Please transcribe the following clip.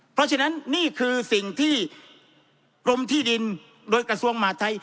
เพราะฉะนั้นนี่คือสิ่งที่กรมที่ดินโดยกระทรวงมหาธัย